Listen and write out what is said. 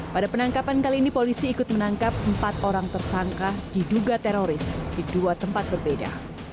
pada penangkapan kali ini polisi ikut menangkap empat orang tersangka diduga teroris di dua tempat berbeda